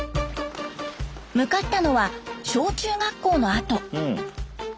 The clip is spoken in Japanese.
向かったのは小中学校の跡。